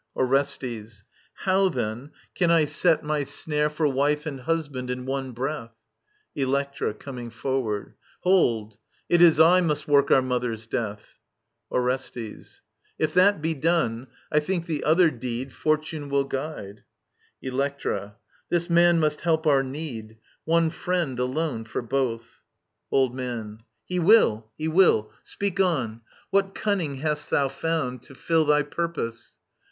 Orestes. How then can I set My snare for wife and husband in one breath ? Electra {coming forward). Hold I It is I must work our mother's death. Orestes. If that be done, I think the other ^deed Fortune will guide. Digitized by VjOOQIC ELECTRA 43 Electra. This man must help our need, One firiend alone for both. Old Man. He will, he wiU I Speak on. What cunning hast thou found to fill Thy purpose